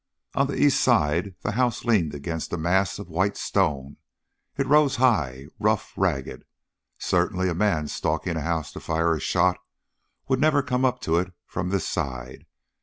On the east side the house leaned against a mass of white stone. It rose high, rough, ragged. Certainly a man stalking a house to fire a shot would never come up to it from this side!